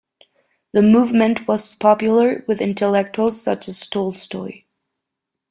The movement was popular with intellectuals such as Tolstoy.